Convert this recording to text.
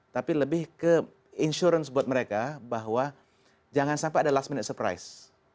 tapi lebih ke insurance buat mereka bahwa jangan sampai ada last minute surprise